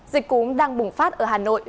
dịch cúm đang bùng phát ở hà nội